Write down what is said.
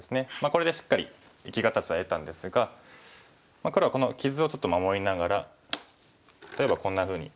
これでしっかり生き形は得たんですが黒はこの傷をちょっと守りながら例えばこんなふうに。